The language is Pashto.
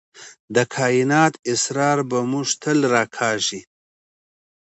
د کائنات اسرار به موږ تل راکاږي.